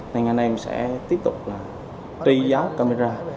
nên anh em sẽ tiếp tục tri giáo camera